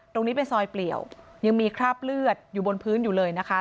ตรงนี้เป็นซอยเปลี่ยวยังมีคราบเลือดอยู่บนพื้นอยู่เลยนะคะ